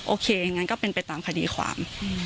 โอเคอย่างนั้นก็เป็นไปตามคดีความ